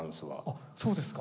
あっそうですか。